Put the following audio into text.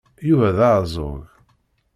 Yuba d aɛeẓẓug.